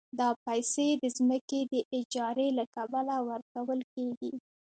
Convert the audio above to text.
دا پیسې د ځمکې د اجارې له کبله ورکول کېږي